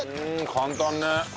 簡単ね。